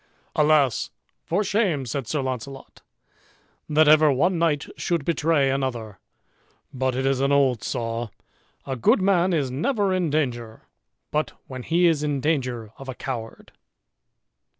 "Alas! for shame," said Sir Launcelot, "that ever one knight should betray another! but it is an old saw, a good man is never in danger, but when he is in danger of a coward."